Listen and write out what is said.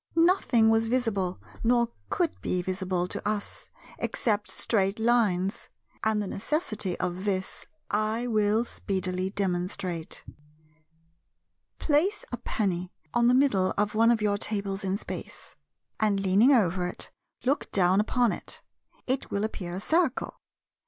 Nothing was visible, nor could be visible, to us, except Straight Lines; and the necessity of this I will speedily demonstrate. Place a penny on the middle of one of your tables in Space; and leaning over it, look down upon it. It will appear a circle.